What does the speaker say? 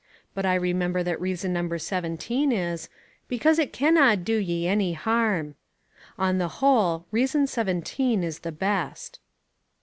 But I remember that reason number seventeen is "because it canna do ye any harm." On the whole, reason seventeen is the best.